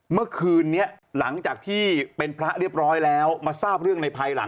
เมื่อคืนนี้หลังจากที่เป็นพระเรียบร้อยแล้วมาทราบเรื่องในภายหลัง